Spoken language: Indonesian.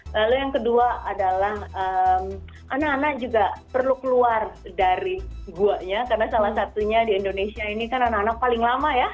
lalu yang kedua adalah anak anak juga perlu keluar dari guanya karena salah satunya di indonesia ini kan anak anak paling lama ya